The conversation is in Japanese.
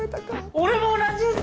俺も同じっす！